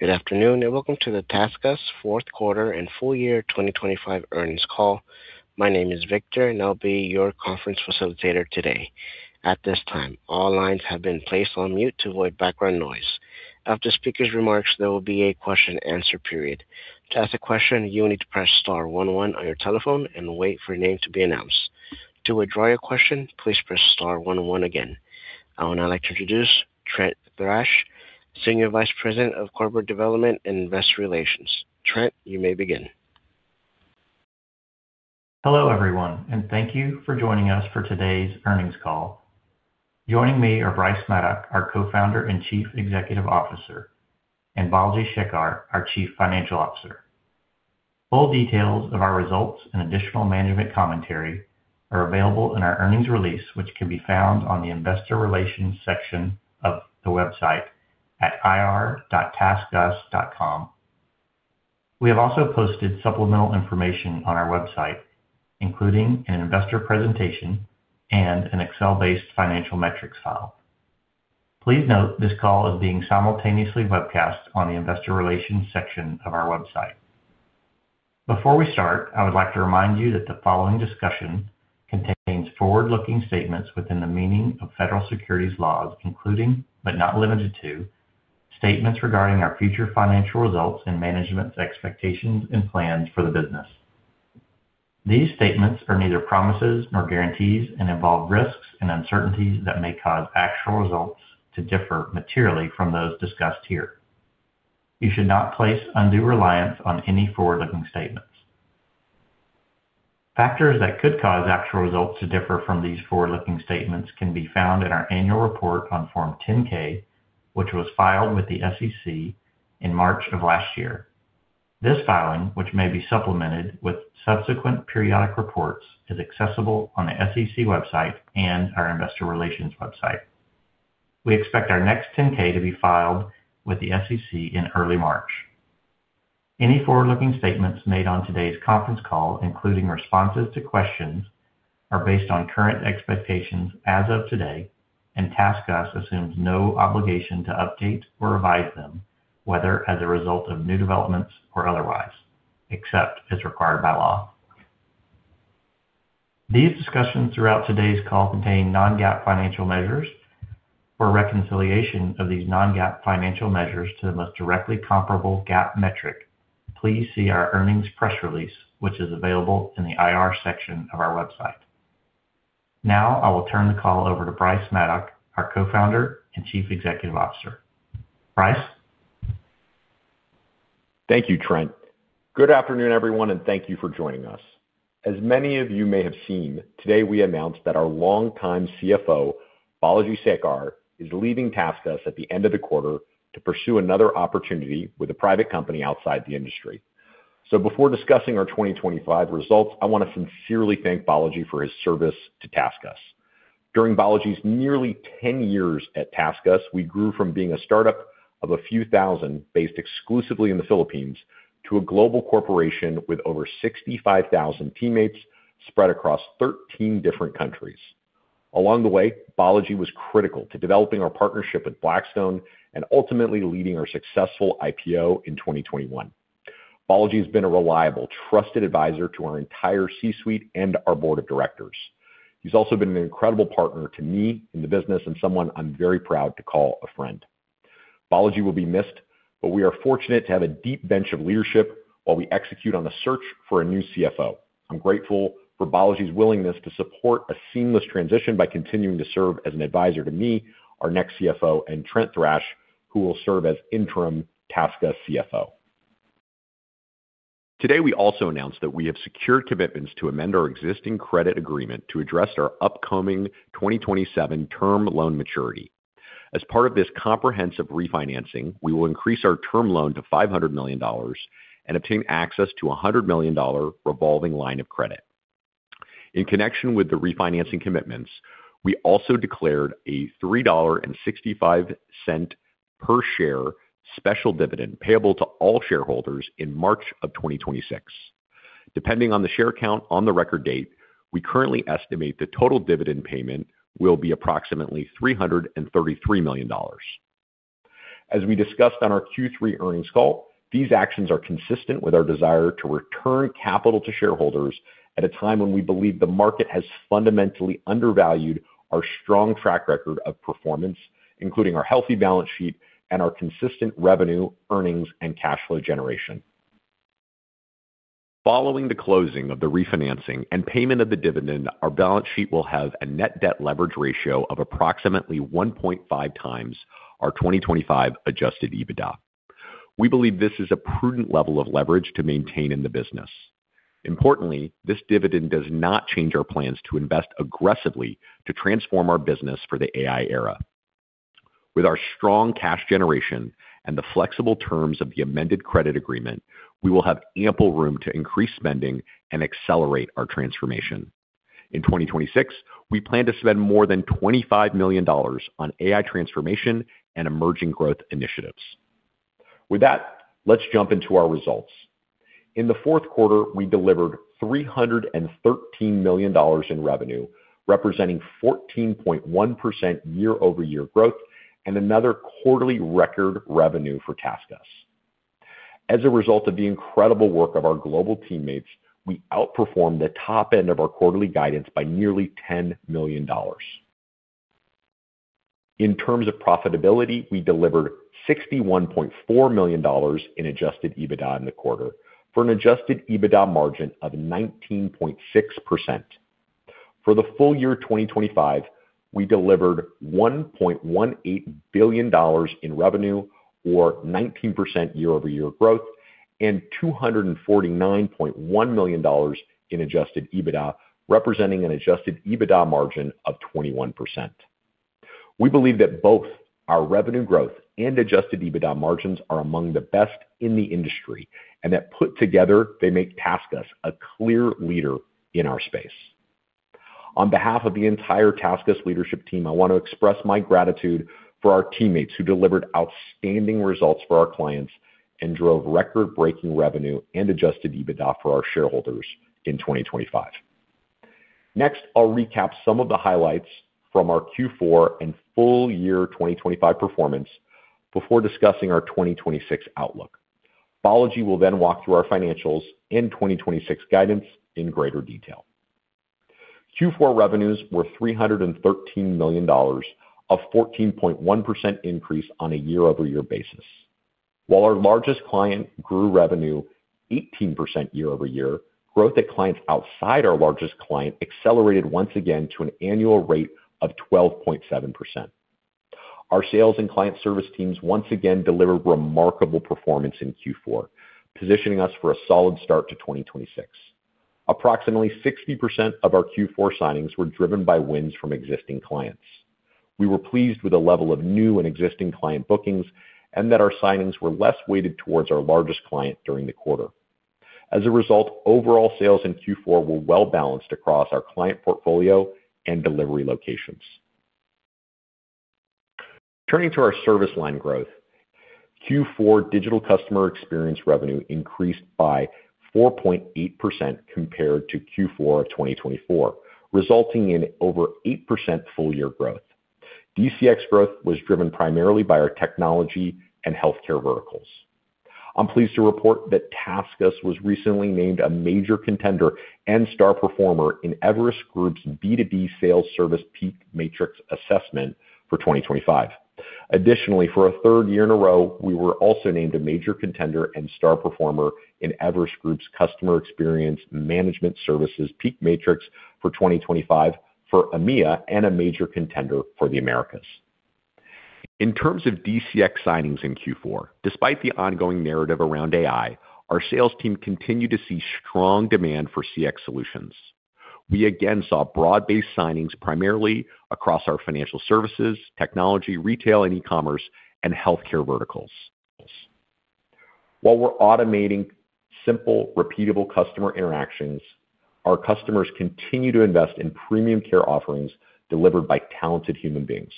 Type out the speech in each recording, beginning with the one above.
Good afternoon, welcome to the TaskUs fourth quarter and full year 2025 earnings call. My name is Victor, I'll be your conference facilitator today. At this time, all lines have been placed on mute to avoid background noise. After the speaker's remarks, there will be a question and answer period. To ask a question, you will need to press star one one on your telephone and wait for your name to be announced. To withdraw your question, please press star one one again. I would now like to introduce Trent Thrash, Senior Vice President of Corporate Development and Investor Relations. Trent, you may begin. Hello, everyone, and thank you for joining us for today's earnings call. Joining me are Bryce Maddock, our Co-founder and Chief Executive Officer, and Balaji Sekar, our Chief Financial Officer. Full details of our results and additional management commentary are available in our earnings release, which can be found on the investor relations section of the website at ir.taskus.com. We have also posted supplemental information on our website, including an investor presentation and an Excel-based financial metrics file. Please note, this call is being simultaneously webcast on the investor relations section of our website. Before we start, I would like to remind you that the following discussion contains forward-looking statements within the meaning of federal securities laws, including, but not limited to, statements regarding our future financial results and management's expectations and plans for the business. These statements are neither promises nor guarantees and involve risks and uncertainties that may cause actual results to differ materially from those discussed here. You should not place undue reliance on any forward-looking statements. Factors that could cause actual results to differ from these forward-looking statements can be found in our annual report on Form 10-K, which was filed with the SEC in March of last year. This filing, which may be supplemented with subsequent periodic reports, is accessible on the SEC website and our investor relations website. We expect our next 10-K to be filed with the SEC in early March. Any forward-looking statements made on today's conference call, including responses to questions, are based on current expectations as of today, and TaskUs assumes no obligation to update or revise them, whether as a result of new developments or otherwise, except as required by law. These discussions throughout today's call contain non-GAAP financial measures. For reconciliation of these non-GAAP financial measures to the most directly comparable GAAP metric, please see our earnings press release, which is available in the IR section of our website. Now, I will turn the call over to Bryce Maddock, our Co-founder and Chief Executive Officer. Bryce? Thank you, Trent. Good afternoon, everyone, and thank you for joining us. As many of you may have seen, today, we announced that our longtime CFO, Balaji Sekar, is leaving TaskUs at the end of the quarter to pursue another opportunity with a private company outside the industry. Before discussing our 2025 results, I want to sincerely thank Balaji for his service to TaskUs. During Balaji's nearly 10 years at TaskUs, we grew from being a startup of a few thousand, based exclusively in the Philippines, to a global corporation with over 65,000 teammates spread across 13 different countries. Along the way, Balaji was critical to developing our partnership with Blackstone and ultimately leading our successful IPO in 2021. Balaji has been a reliable, trusted advisor to our entire C-suite and our board of directors. He's also been an incredible partner to me in the business and someone I'm very proud to call a friend. Balaji will be missed. We are fortunate to have a deep bench of leadership while we execute on the search for a new CFO. I'm grateful for Balaji's willingness to support a seamless transition by continuing to serve as an advisor to me, our next CFO, and Trent Thrash, who will serve as interim TaskUs CFO. Today, we also announced that we have secured commitments to amend our existing credit agreement to address our upcoming 2027 term loan maturity. As part of this comprehensive refinancing, we will increase our term loan to $500 million and obtain access to a $100 million revolving line of credit. In connection with the refinancing commitments, we also declared a $3.65 per share special dividend payable to all shareholders in March of 2026. Depending on the share count on the record date, we currently estimate the total dividend payment will be approximately $333 million. We discussed on our Q3 earnings call, these actions are consistent with our desire to return capital to shareholders at a time when we believe the market has fundamentally undervalued our strong track record of performance, including our healthy balance sheet and our consistent revenue, earnings, and cash flow generation. Following the closing of the refinancing and payment of the dividend, our balance sheet will have a net debt leverage ratio of approximately 1.5 times our 2025 adjusted EBITDA. We believe this is a prudent level of leverage to maintain in the business. Importantly, this dividend does not change our plans to invest aggressively to transform our business for the AI era. With our strong cash generation and the flexible terms of the amended credit agreement, we will have ample room to increase spending and accelerate our transformation. In 2026, we plan to spend more than $25 million on AI transformation and emerging growth initiatives. With that, let's jump into our results. In the fourth quarter, we delivered $313 million in revenue, representing 14.1% year-over-year growth and another quarterly record revenue for TaskUs. As a result of the incredible work of our global teammates, we outperformed the top end of our quarterly guidance by nearly $10 million. In terms of profitability, we delivered $61.4 million in Adjusted EBITDA in the quarter, for an Adjusted EBITDA margin of 19.6%. For the full year 2025, we delivered $1.18 billion in revenue, or 19% year-over-year growth, and $249.1 million in Adjusted EBITDA, representing an Adjusted EBITDA margin of 21%. We believe that both our revenue growth and Adjusted EBITDA margins are among the best in the industry, and that put together, they make TaskUs a clear leader in our space. On behalf of the entire TaskUs leadership team, I want to express my gratitude for our teammates who delivered outstanding results for our clients and drove record-breaking revenue and Adjusted EBITDA for our shareholders in 2025. Next, I'll recap some of the highlights from our Q4 and full year 2025 performance before discussing our 2026 outlook. Balaji will walk through our financials and 2026 guidance in greater detail. Q4 revenues were $313 million, a 14.1% increase on a year-over-year basis. While our largest client grew revenue 18% year-over-year, growth at clients outside our largest client accelerated once again to an annual rate of 12.7%. Our sales and client service teams once again delivered remarkable performance in Q4, positioning us for a solid start to 2026. Approximately 60% of our Q4 signings were driven by wins from existing clients. We were pleased with the level of new and existing client bookings and that our signings were less weighted towards our largest client during the quarter. Overall sales in Q4 were well balanced across our client portfolio and delivery locations. Turning to our service line growth, Q4 digital customer experience revenue increased by 4.8% compared to Q4 of 2024, resulting in over 8% full year growth. DCX growth was driven primarily by our technology and healthcare verticals. I'm pleased to report that TaskUs was recently named a major contender and star performer in Everest Group's B2B Sales Services PEAK Matrix Assessment for 2025. For a third year in a row, we were also named a major contender and star performer in Everest Group's Customer Experience Management Services PEAK Matrix for 2025 for EMEA, and a major contender for the Americas. In terms of DCX signings in Q4, despite the ongoing narrative around AI, our sales team continued to see strong demand for CX solutions. We again saw broad-based signings primarily across our financial services, technology, retail and e-commerce, and healthcare verticals. While we're automating simple, repeatable customer interactions, our customers continue to invest in premium care offerings delivered by talented human beings.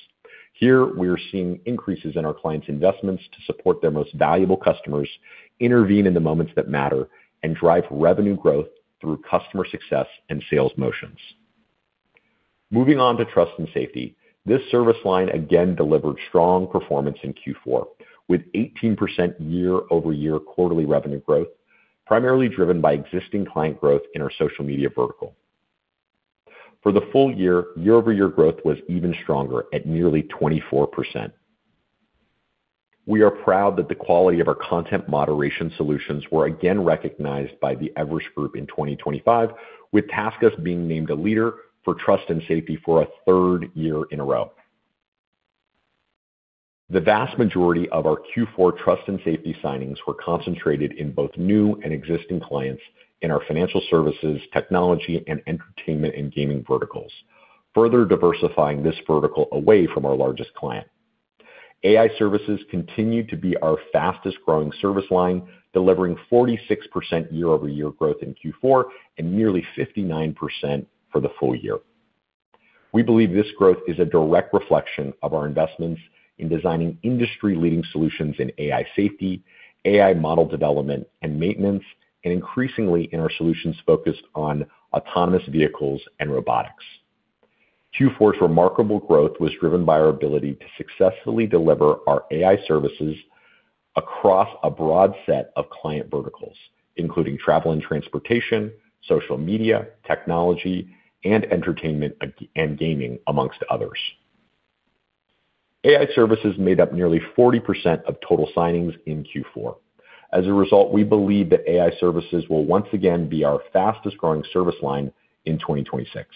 Here, we are seeing increases in our clients' investments to support their most valuable customers, intervene in the moments that matter, and drive revenue growth through customer success and sales motions. Moving on to trust and safety. This service line again delivered strong performance in Q4, with 18% year-over-year quarterly revenue growth, primarily driven by existing client growth in our social media vertical. For the full year-over-year growth was even stronger at nearly 24%. We are proud that the quality of our content moderation solutions were again recognized by the Everest Group in 2025, with TaskUs being named a leader for trust and safety for a third year in a row. The vast majority of our Q4 trust and safety signings were concentrated in both new and existing clients in our financial services, technology, and entertainment, and gaming verticals, further diversifying this vertical away from our largest client. AI services continued to be our fastest growing service line, delivering 46% year-over-year growth in Q4 and nearly 59% for the full year. We believe this growth is a direct reflection of our investments in designing industry-leading solutions in AI safety, AI model development and maintenance, and increasingly in our solutions focused on autonomous vehicles and robotics. Q4's remarkable growth was driven by our ability to successfully deliver our AI services across a broad set of client verticals, including travel and transportation, social media, technology, and entertainment, and gaming, amongst others. AI services made up nearly 40% of total signings in Q4. As a result, we believe that AI services will once again be our fastest growing service line in 2026.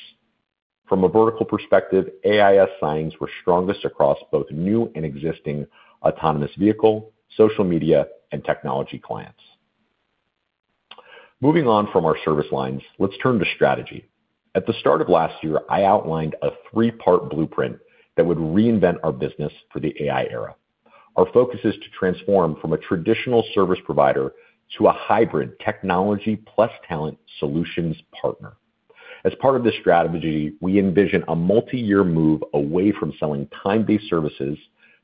From a vertical perspective, AIS signings were strongest across both new and existing autonomous vehicle, social media, and technology clients. Moving on from our service lines, let's turn to strategy. At the start of last year, I outlined a three-part blueprint that would reinvent our business for the AI era. Our focus is to transform from a traditional service provider to a hybrid technology plus talent solutions partner. As part of this strategy, we envision a multi-year move away from selling time-based services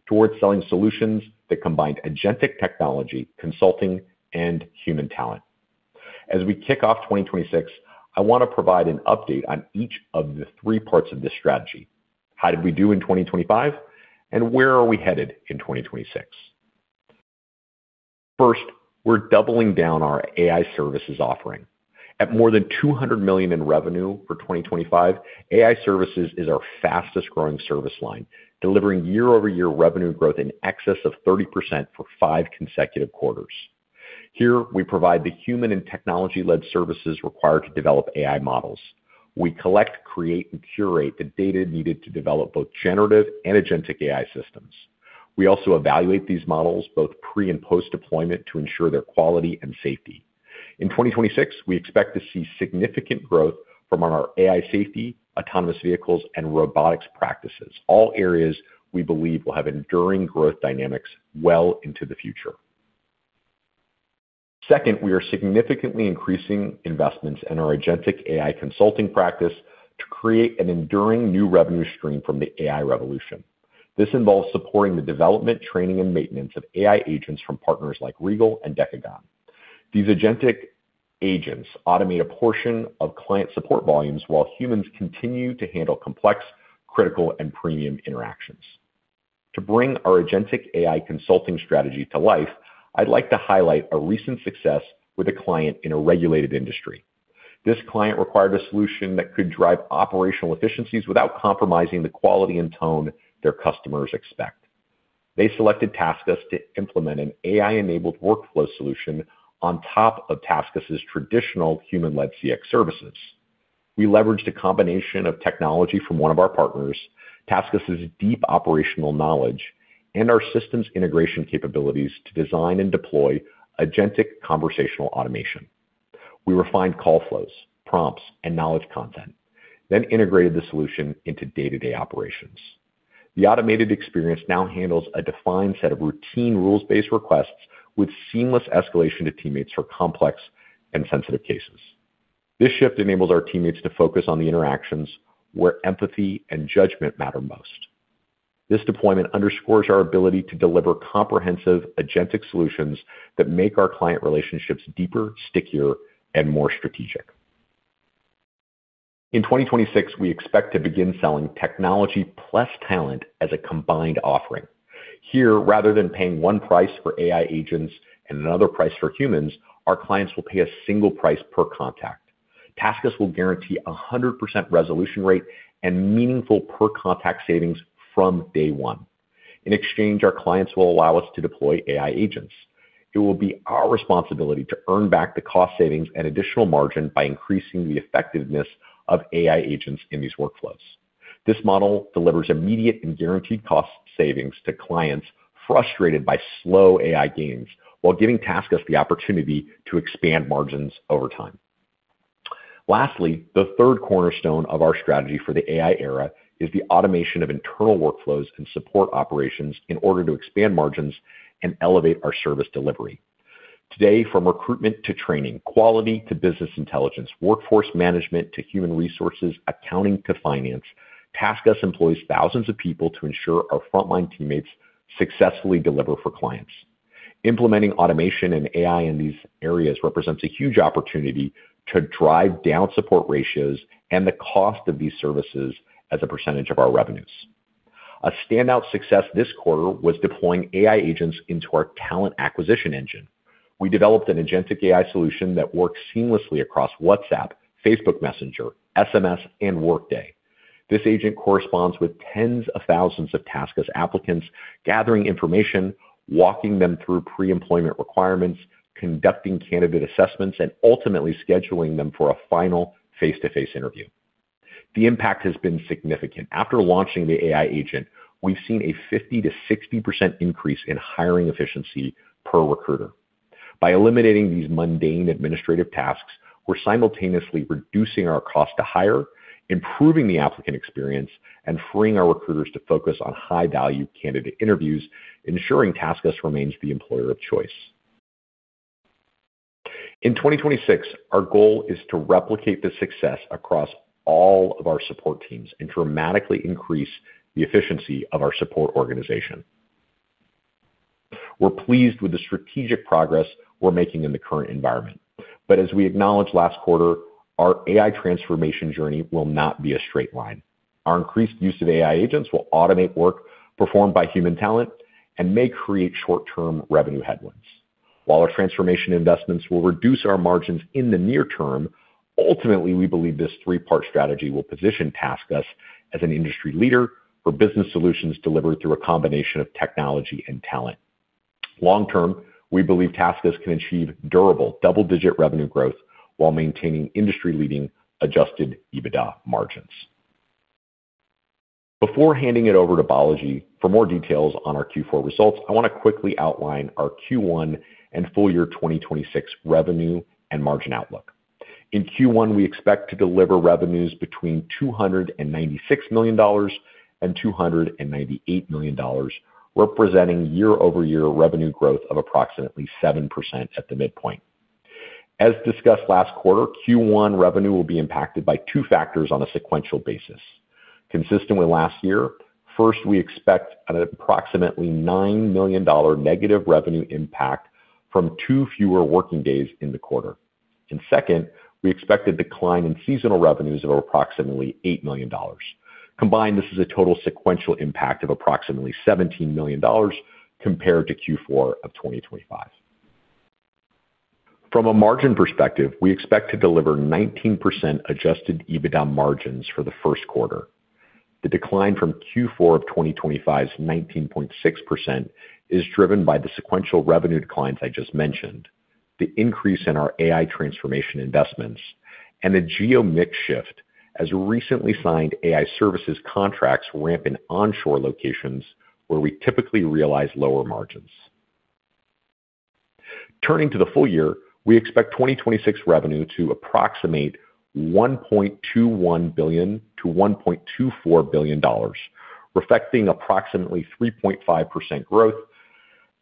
towards selling solutions that combine agentic technology, consulting, and human talent. We kick off 2026, I wanna provide an update on each of the three parts of this strategy. How did we do in 2025, where are we headed in 2026? First, we're doubling down our AI services offering. At more than $200 million in revenue for 2025, AI services is our fastest-growing service line, delivering year-over-year revenue growth in excess of 30% for five consecutive quarters. Here, we provide the human and technology-led services required to develop AI models. We collect, create, and curate the data needed to develop both generative and agentic AI systems. We also evaluate these models, both pre- and post-deployment, to ensure their quality and safety. In 2026, we expect to see significant growth from our AI safety, autonomous vehicles, and robotics practices, all areas we believe will have enduring growth dynamics well into the future. Second, we are significantly increasing investments in our agentic AI consulting practice to create an enduring new revenue stream from the AI revolution. This involves supporting the development, training, and maintenance of AI agents from partners like Regal and Decagon. These agentic agents automate a portion of client support volumes while humans continue to handle complex, critical, and premium interactions. To bring our agentic AI consulting strategy to life, I'd like to highlight a recent success with a client in a regulated industry. This client required a solution that could drive operational efficiencies without compromising the quality and tone their customers expect. They selected TaskUs to implement an AI-enabled workflow solution on top of TaskUs's traditional human-led CX services. We leveraged a combination of technology from one of our partners, TaskUs's deep operational knowledge, and our systems integration capabilities to design and deploy agentic conversational automation. We refined call flows, prompts, and knowledge content, then integrated the solution into day-to-day operations. The automated experience now handles a defined set of routine rules-based requests with seamless escalation to teammates for complex and sensitive cases. This shift enables our teammates to focus on the interactions where empathy and judgment matter most. This deployment underscores our ability to deliver comprehensive agentic solutions that make our client relationships deeper, stickier, and more strategic. In 2026, we expect to begin selling technology plus talent as a combined offering. Here, rather than paying one price for AI agents and another price for humans, our clients will pay a single price per contact. TaskUs will guarantee 100% resolution rate and meaningful per-contact savings from day one. In exchange, our clients will allow us to deploy AI agents. It will be our responsibility to earn back the cost savings and additional margin by increasing the effectiveness of AI agents in these workflows. This model delivers immediate and guaranteed cost savings to clients frustrated by slow AI gains, while giving TaskUs the opportunity to expand margins over time. The third cornerstone of our strategy for the AI era is the automation of internal workflows and support operations in order to expand margins and elevate our service delivery. Today, from recruitment to training, quality to business intelligence, workforce management to human resources, accounting to finance, TaskUs employs thousands of people to ensure our frontline teammates successfully deliver for clients. Implementing automation and AI in these areas represents a huge opportunity to drive down support ratios and the cost of these services as a percentage of our revenues. A standout success this quarter was deploying AI agents into our talent acquisition engine. We developed an agentic AI solution that works seamlessly across WhatsApp, Facebook Messenger, SMS, and Workday. This agent corresponds with tens of thousands of TaskUs applicants, gathering information, walking them through pre-employment requirements, conducting candidate assessments, and ultimately scheduling them for a final face-to-face interview. The impact has been significant. After launching the AI agent, we've seen a 50%-60% increase in hiring efficiency per recruiter. By eliminating these mundane administrative tasks, we're simultaneously reducing our cost to hire, improving the applicant experience, and freeing our recruiters to focus on high-value candidate interviews, ensuring TaskUs remains the employer of choice. In 2026, our goal is to replicate this success across all of our support teams and dramatically increase the efficiency of our support organization. We're pleased with the strategic progress we're making in the current environment, as we acknowledged last quarter, our AI transformation journey will not be a straight line. Our increased use of AI agents will automate work performed by human talent and may create short-term revenue headwinds. While our transformation investments will reduce our margins in the near term, ultimately, we believe this three-part strategy will position TaskUs as an industry leader for business solutions delivered through a combination of technology and talent. Long term, we believe TaskUs can achieve durable double-digit revenue growth while maintaining industry-leading Adjusted EBITDA margins. Before handing it over to Balaji for more details on our Q4 results, I wanna quickly outline our Q1 and full year 2026 revenue and margin outlook. In Q1, we expect to deliver revenues between $296 million and $298 million, representing year-over-year revenue growth of approximately 7% at the midpoint. As discussed last quarter, Q1 revenue will be impacted by two factors on a sequential basis. Consistent with last year, first, we expect an approximately $9 million- revenue impact from two fewer working days in the quarter. Second, we expect a decline in seasonal revenues of approximately $8 million. Combined, this is a total sequential impact of approximately $17 million compared to Q4 of 2025. From a margin perspective, we expect to deliver 19% Adjusted EBITDA margins for the first quarter. The decline from Q4 of 2025's 19.6% is driven by the sequential revenue declines I just mentioned, the increase in our AI transformation investments, and a geo-mix shift as recently signed AI services contracts ramp in onshore locations where we typically realize lower margins. Turning to the full year, we expect 2026 revenue to approximate $1.21 billion-$1.24 billion, reflecting approximately 3.5% growth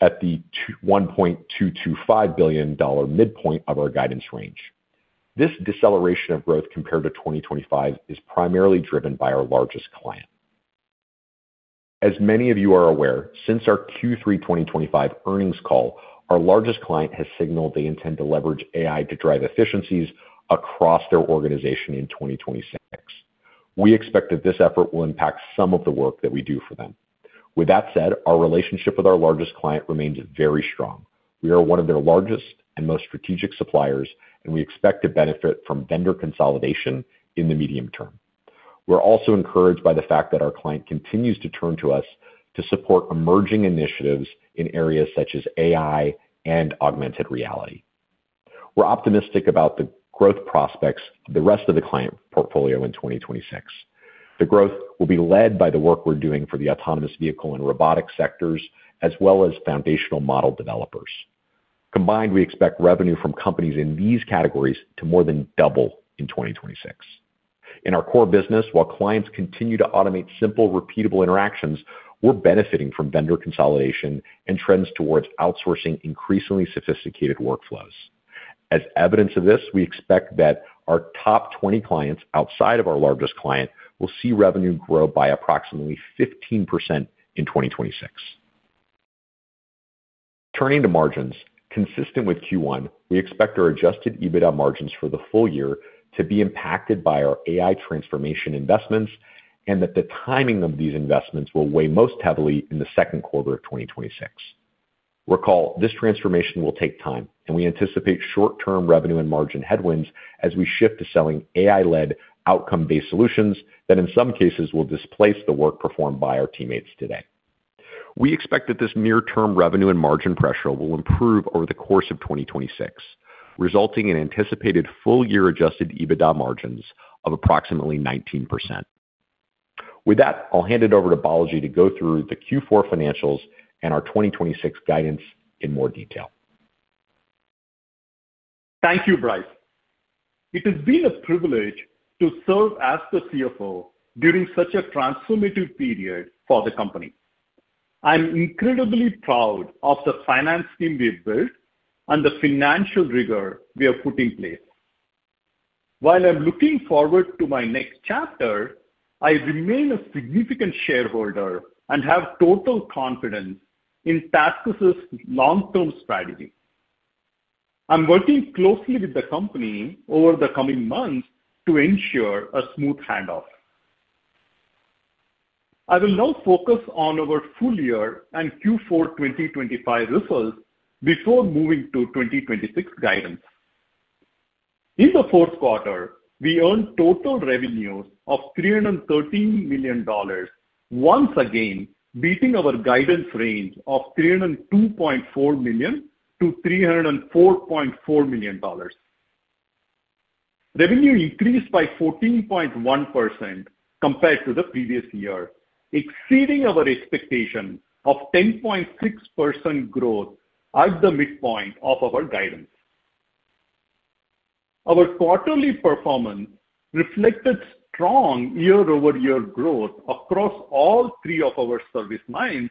at the $1.225 billion midpoint of our guidance range. This deceleration of growth compared to 2025 is primarily driven by our largest client. As many of you are aware, since our Q3 2025 earnings call, our largest client has signaled they intend to leverage AI to drive efficiencies across their organization in 2026. We expect that this effort will impact some of the work that we do for them. With that said, our relationship with our largest client remains very strong. We are one of their largest and most strategic suppliers, and we expect to benefit from vendor consolidation in the medium term. We're also encouraged by the fact that our client continues to turn to us to support emerging initiatives in areas such as AI and augmented reality. We're optimistic about the growth prospects of the rest of the client portfolio in 2026. The growth will be led by the work we're doing for the autonomous vehicle and robotics sectors, as well as foundational model developers. Combined, we expect revenue from companies in these categories to more than double in 2026. In our core business, while clients continue to automate simple, repeatable interactions, we're benefiting from vendor consolidation and trends towards outsourcing increasingly sophisticated workflows. As evidence of this, we expect that our top 20 clients, outside of our largest client, will see revenue grow by approximately 15% in 2026. Turning to margins. Consistent with Q1, we expect our Adjusted EBITDA margins for the full year to be impacted by our AI transformation investments, and that the timing of these investments will weigh most heavily in the second quarter of 2026. Recall, this transformation will take time, and we anticipate short-term revenue and margin headwinds as we shift to selling AI-led outcome-based solutions that, in some cases, will displace the work performed by our teammates today. We expect that this near-term revenue and margin pressure will improve over the course of 2026, resulting in anticipated full-year Adjusted EBITDA margins of approximately 19%. With that, I'll hand it over to Balaji to go through the Q4 financials and our 2026 guidance in more detail. Thank you, Bryce. It has been a privilege to serve as the CFO during such a transformative period for the company. I'm incredibly proud of the finance team we've built and the financial rigor we have put in place. While I'm looking forward to my next chapter, I remain a significant shareholder and have total confidence in TaskUs's long-term strategy. I'm working closely with the company over the coming months to ensure a smooth handoff. I will now focus on our full year and Q4 2025 results before moving to 2026 guidance. In the fourth quarter, we earned total revenues of $313 million, once again beating our guidance range of $302.4 million-$304.4 million. Revenue increased by 14.1% compared to the previous year, exceeding our expectation of 10.6% growth at the midpoint of our guidance. Our quarterly performance reflected strong year-over-year growth across all three of our service lines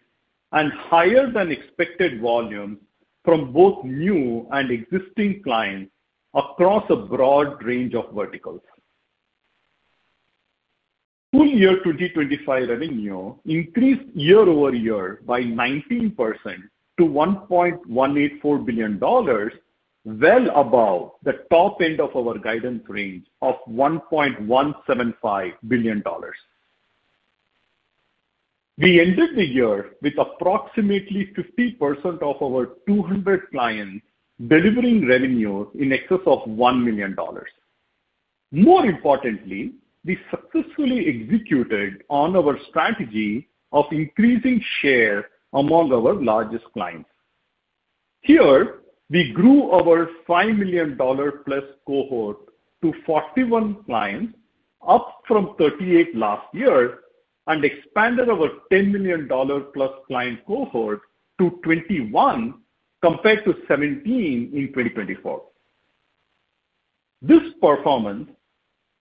and higher than expected volume from both new and existing clients across a broad range of verticals. Full year 2025 revenue increased year-over-year by 19% to $1.184 billion, well above the top end of our guidance range of $1.175 billion. We ended the year with approximately 50% of our 200 clients delivering revenue in excess of $1 million. More importantly, we successfully executed on our strategy of increasing share among our largest clients. Here, we grew our $5 million+ cohort to 41 clients, up from 38 last year, and expanded our $10 million+ client cohort to 21, compared to 17 in 2024. This performance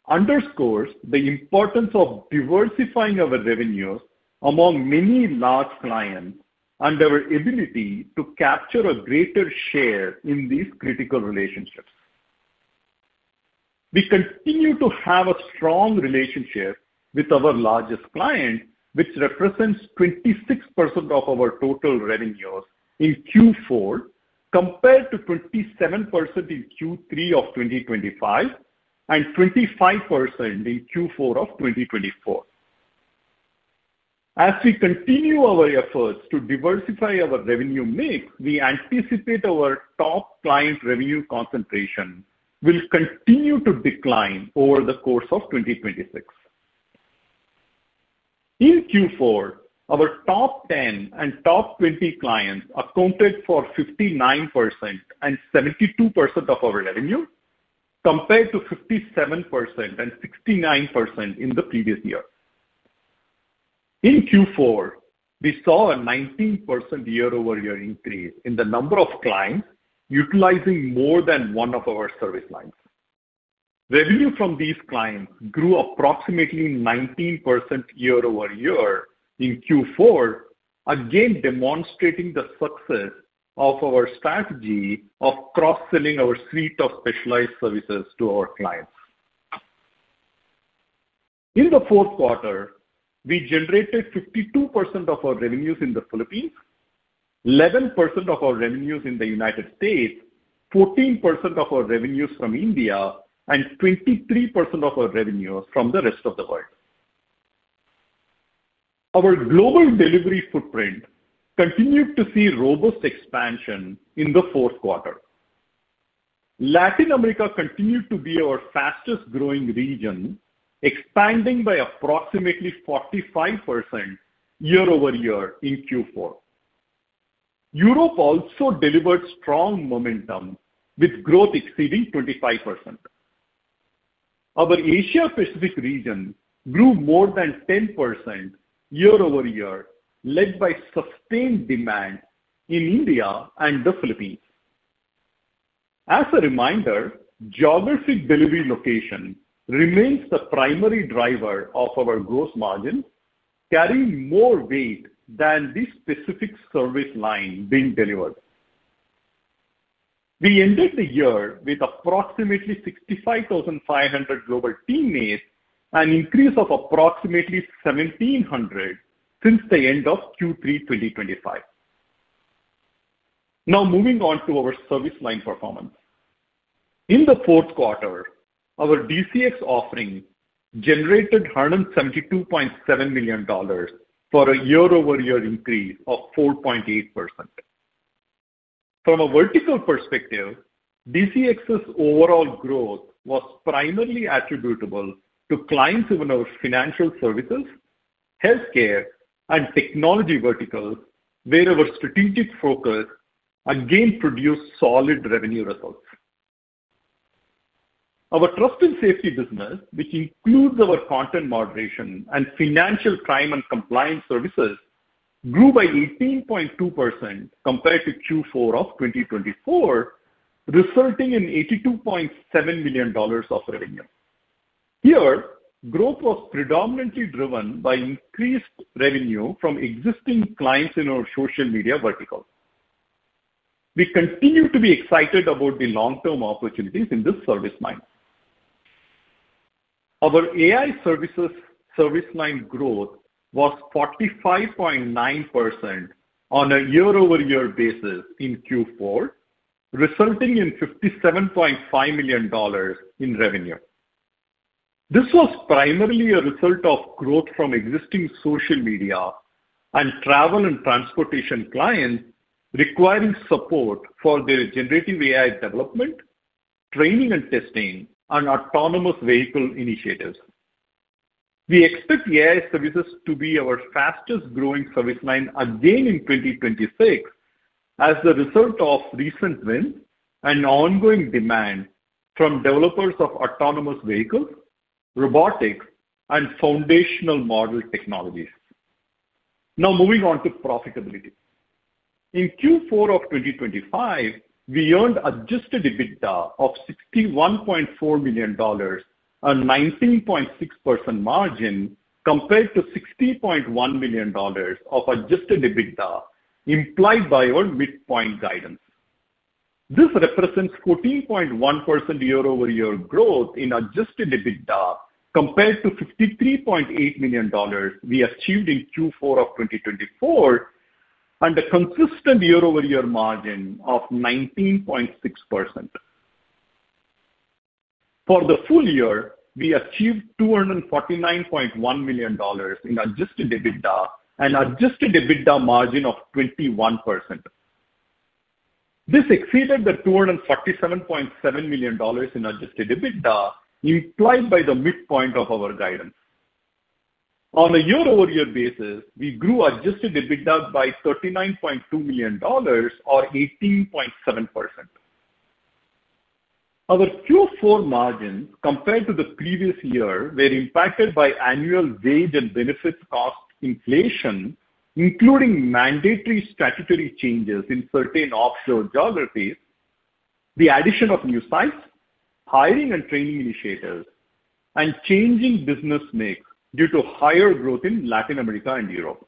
underscores the importance of diversifying our revenues among many large clients and our ability to capture a greater share in these critical relationships. We continue to have a strong relationship with our largest client, which represents 26% of our total revenues in Q4, compared to 27% in Q3 of 2025, and 25% in Q4 of 2024. As we continue our efforts to diversify our revenue mix, we anticipate our top client revenue concentration will continue to decline over the course of 2026. In Q4, our top 10 and top 20 clients accounted for 59% and 72% of our revenue, compared to 57% and 69% in the previous year. In Q4, we saw a 19% year-over-year increase in the number of clients utilizing more than one of our service lines. Revenue from these clients grew approximately 19% year-over-year in Q4, again, demonstrating the success of our strategy of cross-selling our suite of specialized services to our clients. In the fourth quarter, we generated 52% of our revenues in the Philippines, 11% of our revenues in the United States, 14% of our revenues from India, and 23% of our revenues from the rest of the world. Our global delivery footprint continued to see robust expansion in the fourth quarter. Latin America continued to be our fastest-growing region, expanding by approximately 45% year-over-year in Q4. Europe also delivered strong momentum, with growth exceeding 25%. Our Asia Pacific region grew more than 10% year-over-year, led by sustained demand in India and the Philippines. As a reminder, geographic delivery location remains the primary driver of our gross margin, carrying more weight than the specific service line being delivered. We ended the year with approximately 65,500 global teammates, an increase of approximately 1,700 since the end of Q3 2025. Now, moving on to our service line performance. In the fourth quarter, our DCX offering generated $172.7 million, for a year-over-year increase of 4.8%. From a vertical perspective, DCX's overall growth was primarily attributable to clients in our financial services, healthcare, and technology verticals, where our strategic focus again produced solid revenue results. Our trust and safety business, which includes our content moderation and financial crime and compliance services, grew by 18.2% compared to Q4 of 2024, resulting in $82.7 million of revenue. Here, growth was predominantly driven by increased revenue from existing clients in our social media vertical. We continue to be excited about the long-term opportunities in this service line. Our AI services service line growth was 45.9% on a year-over-year basis in Q4, resulting in $57.5 million in revenue. This was primarily a result of growth from existing social media and travel and transportation clients requiring support for their generative AI development, training and testing, and autonomous vehicle initiatives. We expect AI services to be our fastest-growing service line again in 2026 as a result of recent wins and ongoing demand from developers of autonomous vehicles, robotics, and foundational model technologies. Moving on to profitability. In Q4 of 2025, we earned Adjusted EBITDA of $61.4 million and 19.6% margin compared to $60.1 million of Adjusted EBITDA, implied by our midpoint guidance. This represents 14.1% year-over-year growth in Adjusted EBITDA compared to $53.8 million we achieved in Q4 of 2024, and a consistent year-over-year margin of 19.6%. For the full year, we achieved $249.1 million in Adjusted EBITDA and Adjusted EBITDA margin of 21%. This exceeded the $247.7 million in Adjusted EBITDA, implied by the midpoint of our guidance. On a year-over-year basis, we grew Adjusted EBITDA by $39.2 million or 18.7%. Our Q4 margins compared to the previous year were impacted by annual wage and benefit cost inflation, including mandatory statutory changes in certain offshore geographies, the addition of new sites, hiring and training initiatives, and changing business mix due to higher growth in Latin America and Europe.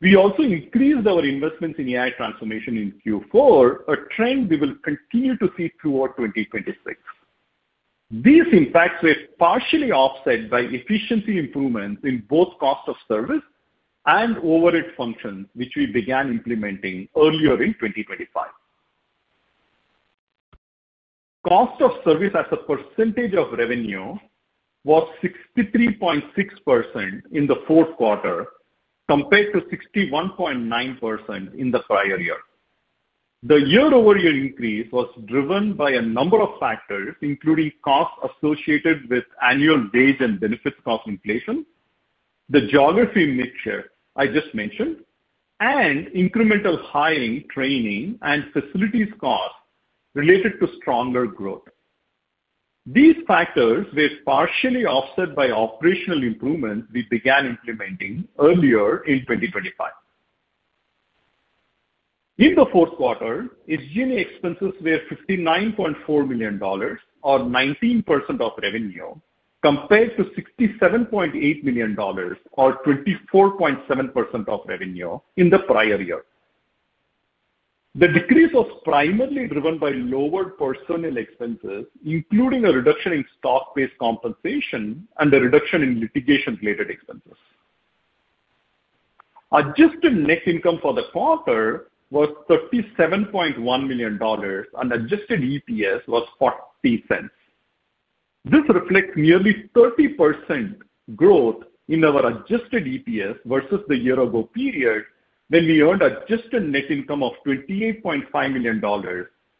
We also increased our investments in AI transformation in Q4, a trend we will continue to see throughout 2026. These impacts were partially offset by efficiency improvements in both cost of service and overhead functions, which we began implementing earlier in 2025. Cost of service as a percentage of revenue was 63.6% in the fourth quarter, compared to 61.9% in the prior year. The year-over-year increase was driven by a number of factors, including costs associated with annual wage and benefits cost inflation, the geography mixture I just mentioned, and incremental hiring, training, and facilities costs related to stronger growth. These factors were partially offset by operational improvements we began implementing earlier in 2025. In the fourth quarter, engineering expenses were $59.4 million, or 19% of revenue, compared to $67.8 million or 24.7% of revenue in the prior year. The decrease was primarily driven by lower personnel expenses, including a reduction in stock-based compensation and a reduction in litigation-related expenses. Adjusted net income for the quarter was $37.1 million, and adjusted EPS was $0.40. This reflects nearly 30% growth in our adjusted EPS versus the year-ago period, when we earned adjusted net income of $28.5 million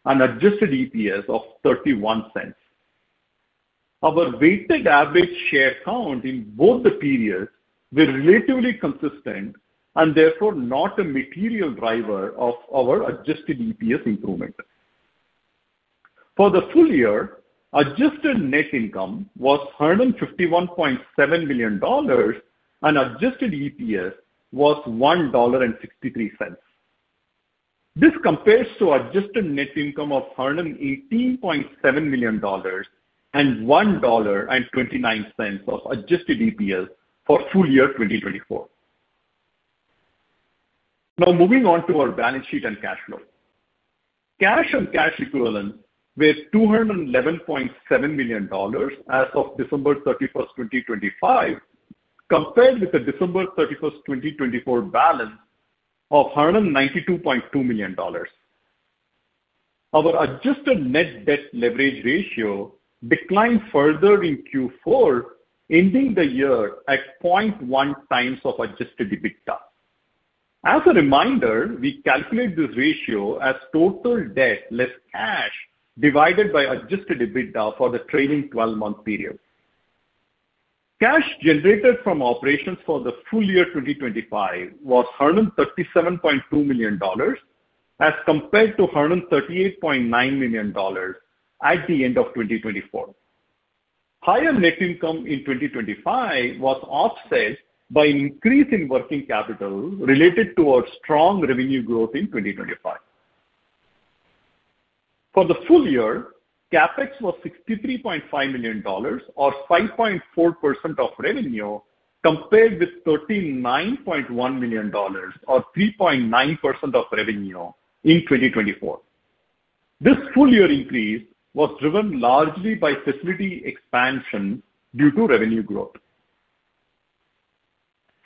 and adjusted EPS of $0.31. Our weighted average share count in both the periods were relatively consistent and therefore not a material driver of our adjusted EPS improvement. For the full year, adjusted net income was $151.7 million, and adjusted EPS was $1.63. This compares to adjusted net income of $118.7 million and $1.29 of adjusted EPS for full year 2024. Moving on to our balance sheet and cash flow. Cash and cash equivalents were $211.7 million as of December 31, 2025, compared with the December 31, 2024 balance of $192.2 million. Our adjusted net debt leverage ratio declined further in Q4, ending the year at 0.1x of Adjusted EBITDA. As a reminder, we calculate this ratio as total debt, less cash, divided by Adjusted EBITDA for the trailing 12-month period. Cash generated from operations for the full year 2025 was $137.2 million, as compared to $138.9 million at the end of 2024. Higher net income in 2025 was offset by increase in working capital related to our strong revenue growth in 2025. For the full year, CapEx was $63.5 million, or 5.4% of revenue, compared with $39.1 million or 3.9% of revenue in 2024. This full-year increase was driven largely by facility expansion due to revenue growth.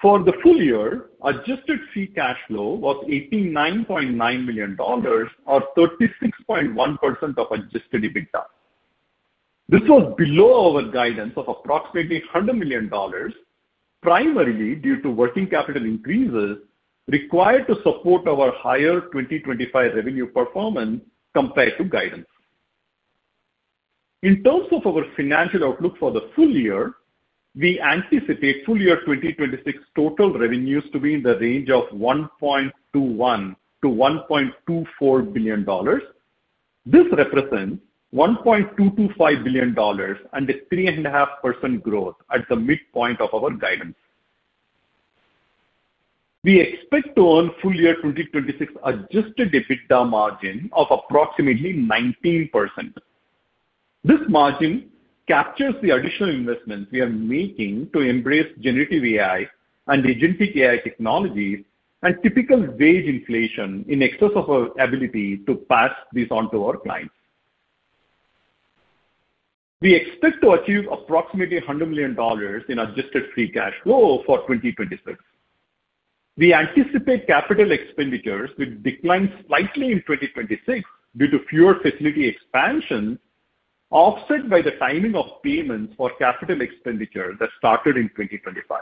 For the full year, adjusted free cash flow was $89.9 million or 36.1% of Adjusted EBITDA. This was below our guidance of approximately $100 million, primarily due to working capital increases required to support our higher 2025 revenue performance compared to guidance. In terms of our financial outlook for the full year, we anticipate full year 2026 total revenues to be in the range of $1.21 billion-$1.24 billion. This represents $1.225 billion and a 3.5% growth at the midpoint of our guidance. We expect to earn full year 2026 Adjusted EBITDA margin of approximately 19%. This margin captures the additional investments we are making to embrace generative AI and agentic AI technologies and typical wage inflation in excess of our ability to pass this on to our clients. We expect to achieve approximately $100 million in adjusted free cash flow for 2026. We anticipate capital expenditures will decline slightly in 2026 due to fewer facility expansions, offset by the timing of payments for capital expenditures that started in 2025,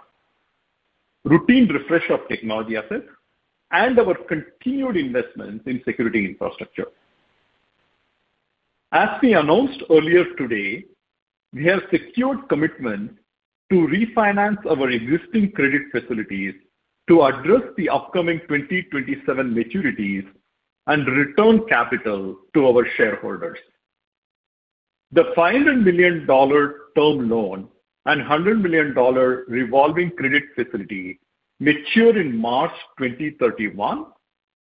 routine refresh of technology assets, and our continued investments in security infrastructure. As we announced earlier today, we have secured commitment to refinance our existing credit facilities to address the upcoming 2027 maturities and return capital to our shareholders. The $500 million term loan and $100 million revolving credit facility mature in March 2031,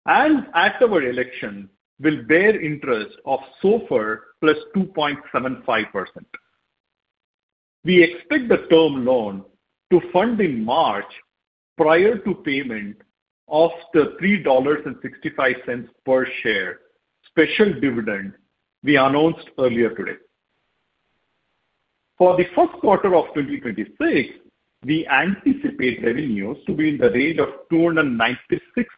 and at our election, will bear interest of SOFR +2.75%. We expect the term loan to fund in March prior to payment of the $3.65 per share special dividend we announced earlier today. For the first quarter of 2026, we anticipate revenues to be in the range of $296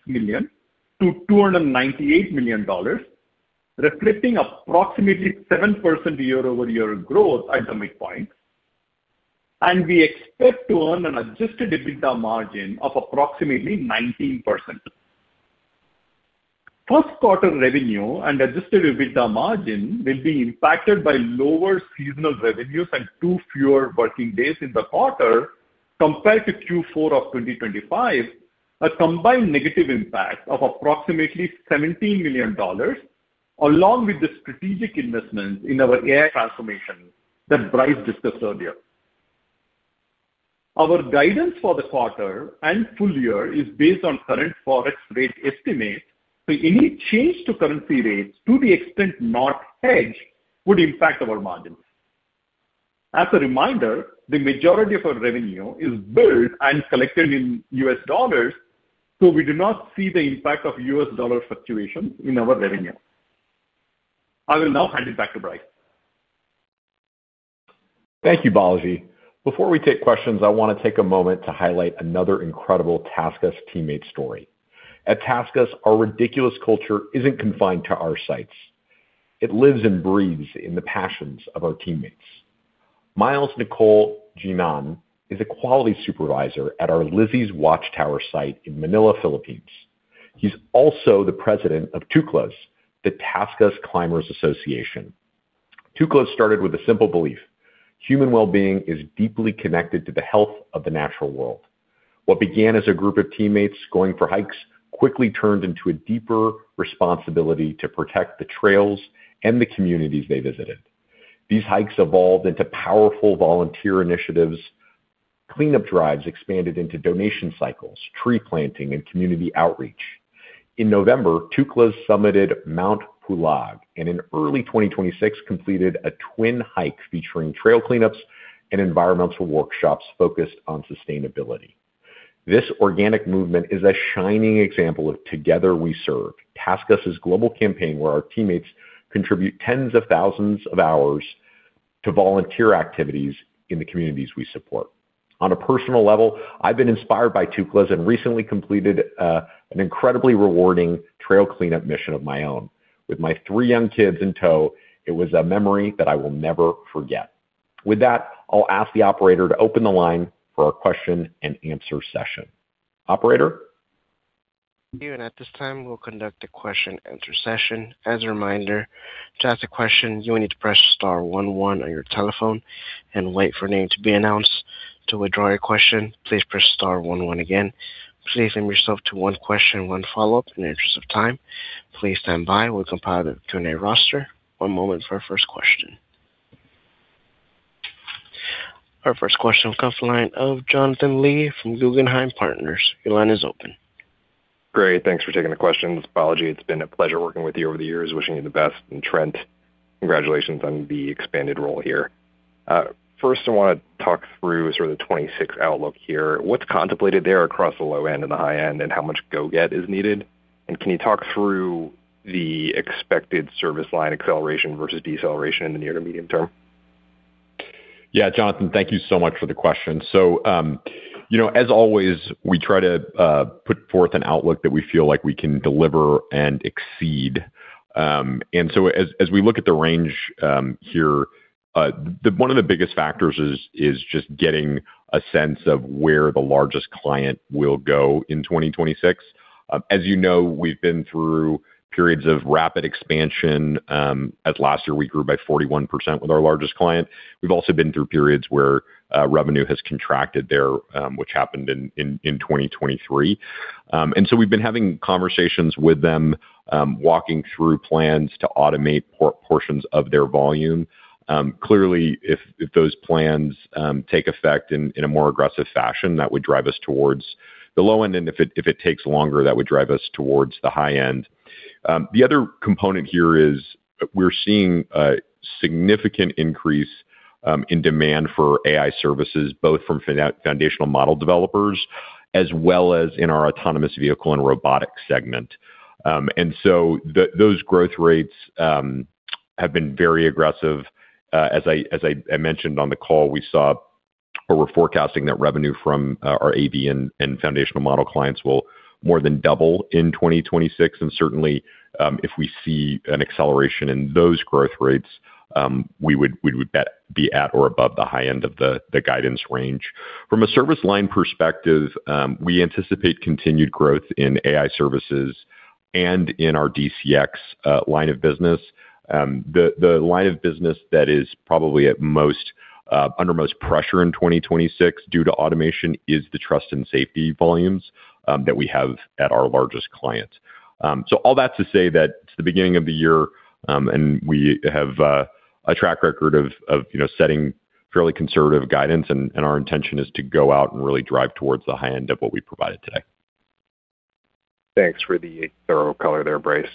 million-$298 million, reflecting approximately 7% year-over-year growth at the midpoint, and we expect to earn an Adjusted EBITDA margin of approximately 19%. First quarter revenue and Adjusted EBITDA margin will be impacted by lower seasonal revenues and two fewer working days in the quarter compared to Q4 of 2025, a combined negative impact of approximately $17 million, along with the strategic investments in our AI transformation that Bryce discussed earlier. Our guidance for the quarter and full year is based on current forex rate estimates, any change to currency rates, to the extent not hedged, would impact our margins. As a reminder, the majority of our revenue is billed and collected in U.S. dollars, we do not see the impact of U.S. dollar fluctuations in our revenue. I will now hand it back to Bryce. Thank you, Balaji. Before we take questions, I wanna take a moment to highlight another incredible TaskUs teammate story. At TaskUs, our ridiculous culture isn't confined to our sites. It lives and breathes in the passions of our teammates. Miles Nicole Jimen is a quality supervisor at our Lizzy's Watchtower site in Manila, Philippines. He's also the President of TUCLAS, the TaskUs Climbers Association. TUCLAS started with a simple belief: human well-being is deeply connected to the health of the natural world. What began as a group of teammates going for hikes quickly turned into a deeper responsibility to protect the trails and the communities they visited. These hikes evolved into powerful volunteer initiatives. Cleanup drives expanded into donation cycles, tree planting, and community outreach. In November, TUCLAS summited Mount Pulag, and in early 2026, completed a twin hike featuring trail cleanups and environmental workshops focused on sustainability. This organic movement is a shining example of TUgether We Serve, TaskUs's global campaign, where our teammates contribute tens of thousands of hours to volunteer activities in the communities we support. On a personal level, I've been inspired by TUCLAS and recently completed an incredibly rewarding trail cleanup mission of my own. With my three young kids in tow, it was a memory that I will never forget. With that, I'll ask the operator to open the line for our question-and-answer session. Operator? Thank you. At this time, we'll conduct a question-and-answer session. As a reminder, to ask a question, you will need to press star one one on your telephone and wait for your name to be announced. To withdraw your question, please press star one one again. Please limit yourself to one question and one follow-up in the interest of time. Please stand by. We'll compile the Q&A roster. One moment for our first question. Our first question comes from the line of Jonathan Lee from Guggenheim Partners. Your line is open. Great. Thanks for taking the questions, Balaji. It's been a pleasure working with you over the years. Wishing you the best. Trent, congratulations on the expanded role here. First, I wanna talk through sort of the 2026 outlook here. What's contemplated there across the low end and the high end, and how much go-get is needed? Can you talk through the expected service line acceleration versus deceleration in the near to medium term? Yeah, Jonathan, thank you so much for the question. You know, as always, we try to put forth an outlook that we feel like we can deliver and exceed. As we look at the range here, one of the biggest factors is just getting a sense of where the largest client will go in 2026. As you know, we've been through periods of rapid expansion, as last year we grew by 41% with our largest client. We've also been through periods where revenue has contracted there, which happened in 2023. We've been having conversations with them, walking through plans to automate portions of their volume. Clearly, if those plans take effect in a more aggressive fashion, that would drive us towards the low end. If it takes longer, that would drive us towards the high end. The other component here is we're seeing a significant increase in demand for AI services, both from foundational model developers, as well as in our autonomous vehicle and robotics segment. Those growth rates have been very aggressive. As I mentioned on the call, we saw or we're forecasting that revenue from our AV and foundational model clients will more than double in 2026. Certainly, if we see an acceleration in those growth rates, we would bet be at or above the high end of the guidance range. From a service line perspective, we anticipate continued growth in AI services and in our DCX line of business. The line of business that is probably under most pressure in 2026 due to automation is the trust and safety volumes that we have at our largest client. All that's to say that it's the beginning of the year, and we have a track record of, you know, setting fairly conservative guidance, and our intention is to go out and really drive towards the high end of what we provided today. Thanks for the thorough color there, Bryce.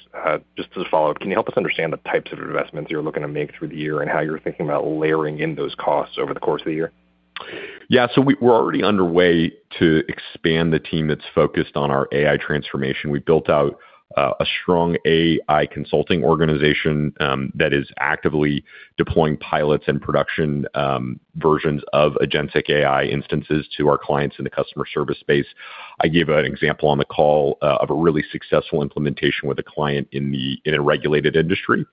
Just as a follow-up, can you help us understand the types of investments you're looking to make through the year and how you're thinking about layering in those costs over the course of the year? We're already underway to expand the team that's focused on our AI transformation. We built out a strong AI consulting organization that is actively deploying pilots and production versions of agentic AI instances to our clients in the customer service space. I gave an example on the call of a really successful implementation with a client in a regulated industry.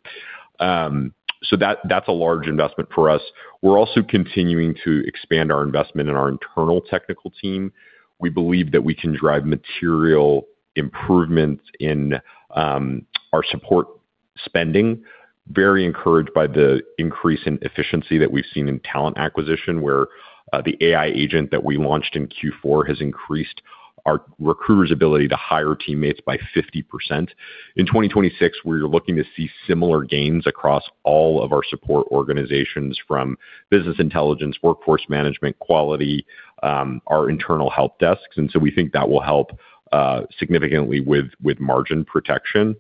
That, that's a large investment for us. We're also continuing to expand our investment in our internal technical team. We believe that we can drive material improvements in our support spending. Very encouraged by the increase in efficiency that we've seen in talent acquisition, where the AI agent that we launched in Q4 has increased our recruiters' ability to hire teammates by 50%. In 2026, we're looking to see similar gains across all of our support organizations, from business intelligence, workforce management, quality, our internal help desks. We think that will help significantly with margin protection.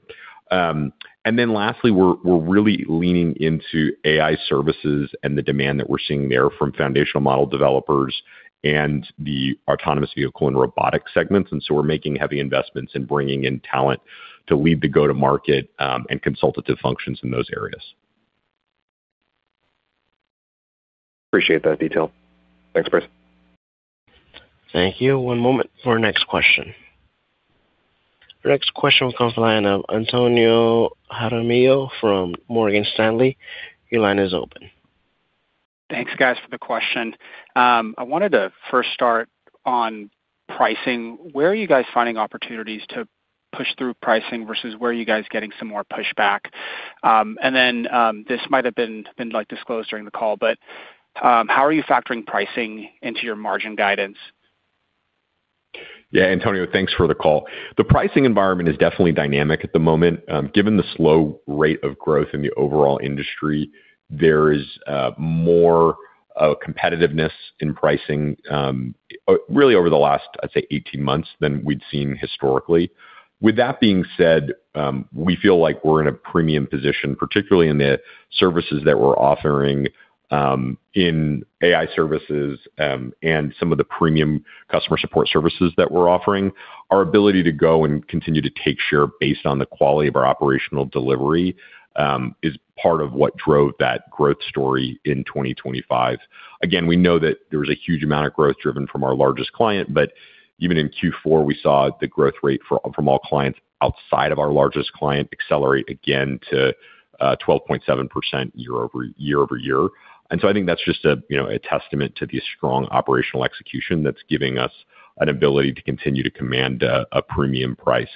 Lastly, we're really leaning into AI services and the demand that we're seeing there from foundational model developers and the autonomous vehicle and robotics segments. We're making heavy investments in bringing in talent to lead the go-to-market, and consultative functions in those areas. Appreciate that detail. Thanks, Bryce. Thank you. One moment for our next question. Our next question comes from the line of Antonio Jaramillo from Morgan Stanley. Your line is open. Thanks, guys, for the question. I wanted to first start on pricing. Where are you guys finding opportunities to push through pricing versus where are you guys getting some more pushback? This might have been, like, disclosed during the call, but, how are you factoring pricing into your margin guidance? Antonio, thanks for the call. The pricing environment is definitely dynamic at the moment. Given the slow rate of growth in the overall industry, there is more competitiveness in pricing really over the last, I'd say, 18 months than we'd seen historically. With that being said, we feel like we're in a premium position, particularly in the services that we're offering, in AI services, and some of the premium customer support services that we're offering. Our ability to go and continue to take share based on the quality of our operational delivery is part of what drove that growth story in 2025. We know that there was a huge amount of growth driven from our largest client, but even in Q4, we saw the growth rate from all clients outside of our largest client accelerate again to 12.7% year-over-year. I think that's just a, you know, a testament to the strong operational execution that's giving us an ability to continue to command a premium price.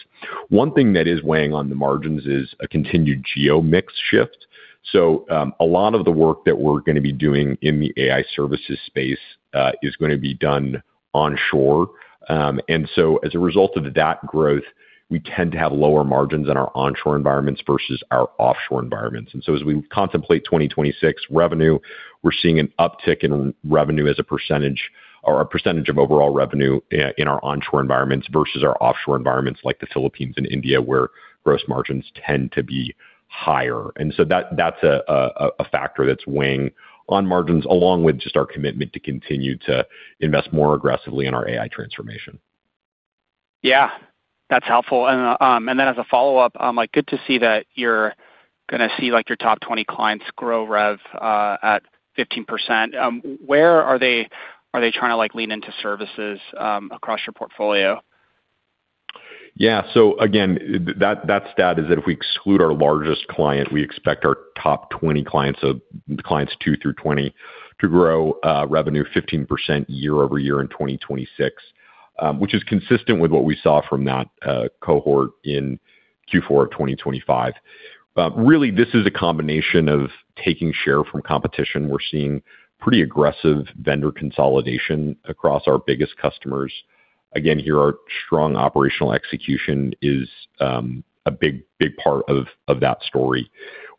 One thing that is weighing on the margins is a continued geo mix shift. A lot of the work that we're gonna be doing in the AI services space is gonna be done onshore. As a result of that growth, we tend to have lower margins in our onshore environments versus our offshore environments. as we contemplate 2026 revenue, we're seeing an uptick in revenue as a percentage or a percentage of overall revenue in our onshore environments versus our offshore environments, like the Philippines and India, where gross margins tend to be higher. That's a factor that's weighing on margins, along with just our commitment to continue to invest more aggressively in our AI transformation. Yeah, that's helpful. As a follow-up, like, good to see that you're gonna see, like, your top 20 clients grow rev, at 15%. Where are they trying to, like, lean into services, across your portfolio? Yeah. Again, that stat is that if we exclude our largest client, we expect our top 20 clients, so clients 2 through 20, to grow revenue 15% year-over-year in 2026, which is consistent with what we saw from that cohort in Q4 of 2025. Really, this is a combination of taking share from competition. We're seeing pretty aggressive vendor consolidation across our biggest customers. Again, here, our strong operational execution is a big part of that story.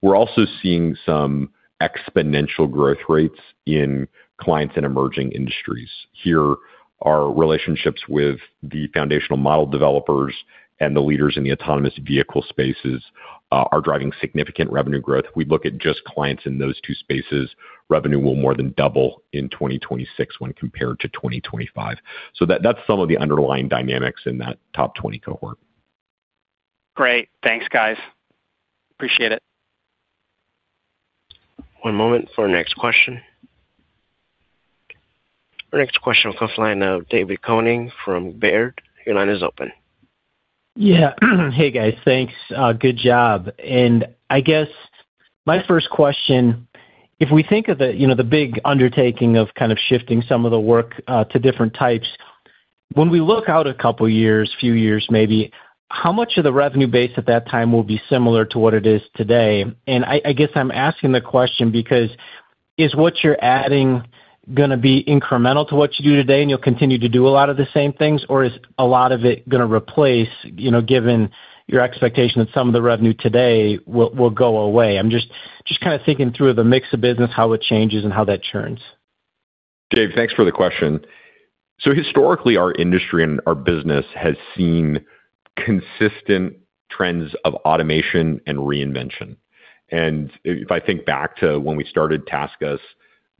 We're also seeing some exponential growth rates in clients in emerging industries. Here, our relationships with the foundational model developers and the leaders in the autonomous vehicle spaces are driving significant revenue growth. If we look at just clients in those two spaces, revenue will more than double in 2026 when compared to 2025. That's some of the underlying dynamics in that top 20 cohort. Great. Thanks, guys. Appreciate it. One moment for our next question. Our next question comes from the line of David Koning from Baird. Your line is open. Yeah. Hey, guys. Thanks. good job. I guess my first question: If we think of the, you know, the big undertaking of kind of shifting some of the work, to different When we look out a couple years, few years maybe, how much of the revenue base at that time will be similar to what it is today? I guess I'm asking the question because is what you're adding gonna be incremental to what you do today, and you'll continue to do a lot of the same things? Or is a lot of it gonna replace, you know, given your expectation that some of the revenue today will go away? I'm just kind of thinking through the mix of business, how it changes and how that churns. Dave, thanks for the question. Historically, our industry and our business has seen consistent trends of automation and reinvention. If I think back to when we started TaskUs,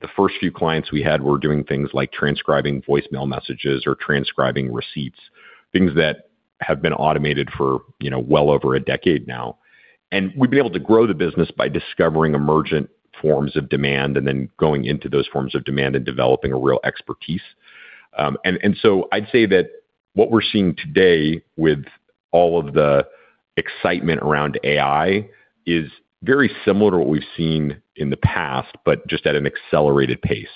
the first few clients we had were doing things like transcribing voicemail messages or transcribing receipts, things that have been automated for, you know, well over a decade now. We've been able to grow the business by discovering emergent forms of demand, and then going into those forms of demand and developing a real expertise. I'd say that what we're seeing today with all of the excitement around AI is very similar to what we've seen in the past, but just at an accelerated pace.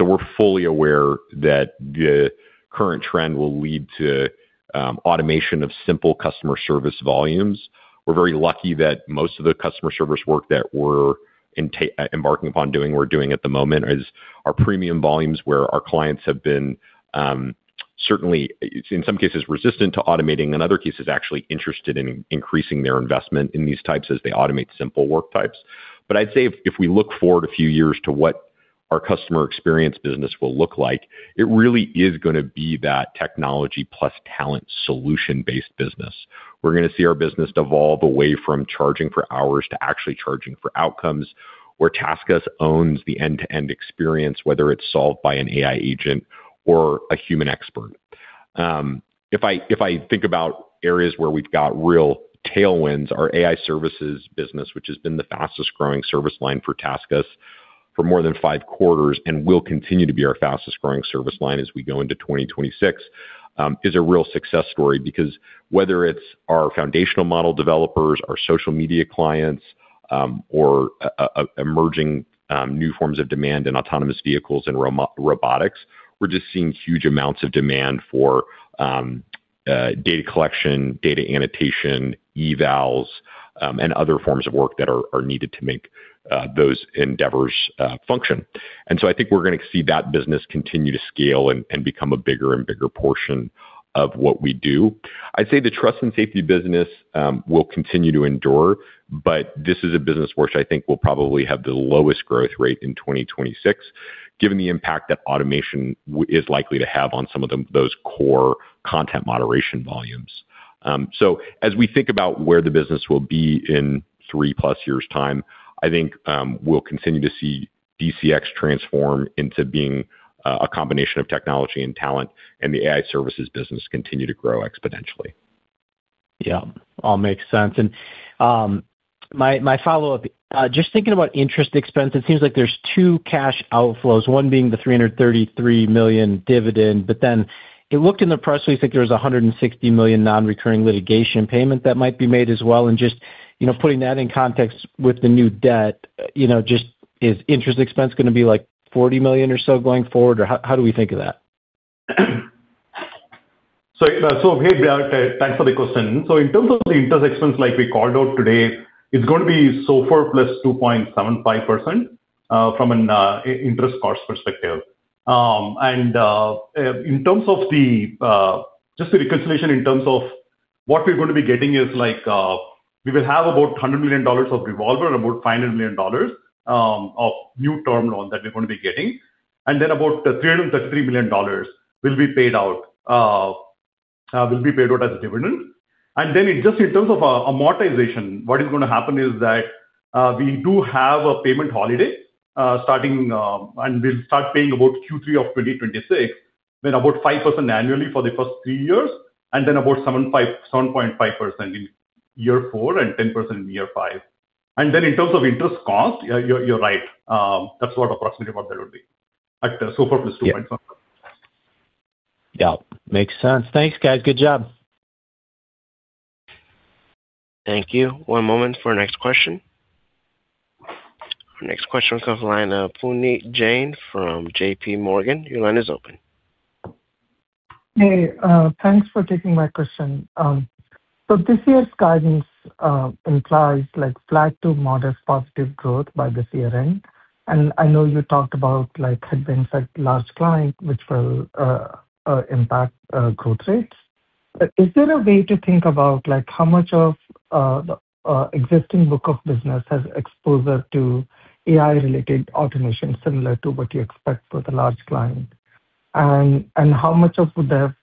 We're fully aware that the current trend will lead to automation of simple customer service volumes. We're very lucky that most of the customer service work that we're embarking upon doing, we're doing at the moment, is our premium volumes, where our clients have been, certainly, in some cases, resistant to automating. In other cases, actually interested in increasing their investment in these types as they automate simple work types. I'd say if we look forward a few years to what our customer experience business will look like, it really is gonna be that technology plus talent solution-based business. We're gonna see our business evolve away from charging for hours to actually charging for outcomes, where TaskUs owns the end-to-end experience, whether it's solved by an AI agent or a human expert. If I think about areas where we've got real tailwinds, our AI services business, which has been the fastest growing service line for TaskUs for more than five quarters and will continue to be our fastest growing service line as we go into 2026, is a real success story. Whether it's our foundational model developers, our social media clients, or emerging new forms of demand in autonomous vehicles and robotics, we're just seeing huge amounts of demand for data collection, data annotation, evals, and other forms of work that are needed to make those endeavors function. I think we're gonna see that business continue to scale and become a bigger and bigger portion of what we do. I'd say the trust and safety business will continue to endure, but this is a business which I think will probably have the lowest growth rate in 2026, given the impact that automation is likely to have on some of those core content moderation volumes. As we think about where the business will be in three-plus years' time, I think, we'll continue to see DCX transform into being a combination of technology and talent, and the AI services business continue to grow exponentially. Yeah. All makes sense. my follow-up, just thinking about interest expense, it seems like there's two cash outflows, one being the $333 million dividend, but then it looked in the press release like there was a $160 million non-recurring litigation payment that might be made as well. you know, putting that in context with the new debt, you know, just is interest expense gonna be, like, $40 million or so going forward, or how do we think of that? Hey, Brian, thanks for the question. In terms of the interest expense, like we called out today, it's going to be SOFR +2.75%, from an interest cost perspective. In terms of the just the reconciliation in terms of what we're going to be getting is, like, we will have about $100 million of revolver and about $500 million of new term loan that we're going to be getting, and then about $333 million will be paid out as a dividend. In just in terms of amortization, what is gonna happen is that we do have a payment holiday, starting, and we'll start paying about Q3 of 2026, then about 5% annually for the first three years, and then about 7.5% in year four and 10% in year five. In terms of interest cost, you're right. That's what approximately what that would be, at SOFR +2.5%. Yeah, makes sense. Thanks, guys. Good job. Thank you. One moment for our next question. Our next question comes from line, Puneet Jain, from J.P. Morgan. Your line is open. Hey, thanks for taking my question. This year's guidance implies like flat to modest positive growth by this year end. I know you talked about, like, headwind, like large client, which will impact growth rates. Is there a way to think about, like, how much of the existing book of business has exposure to AI-related automation, similar to what you expect with a large client? How much of would that